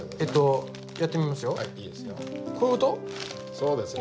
そうですね。